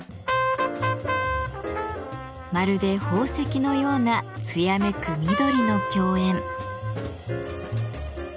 まるで宝石のような艶めく緑の競演。